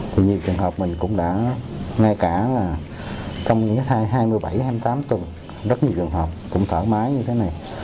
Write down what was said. thì nhiều trường hợp mình cũng đã ngay cả là trong những hai mươi bảy hai mươi tám tuần rất nhiều trường hợp cũng thoải mái như thế này